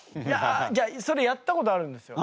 それやったことあるんですよ。